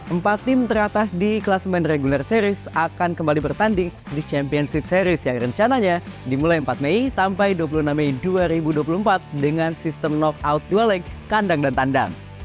empat tim teratas di kelas men regular series akan kembali bertanding di championship series yang rencananya dimulai empat mei sampai dua puluh enam mei dua ribu dua puluh empat dengan sistem knockout dua lag kandang dan tandang